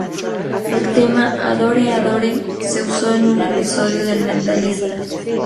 El tema "Adore Adore" se usó en un episodio de "El mentalista".